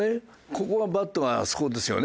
ここはバットがあそこですよね。